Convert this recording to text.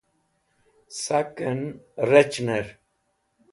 sak'en rec̃h'ner